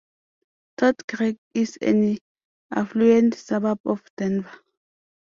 Todd Creek is an affluent suburb of Denver.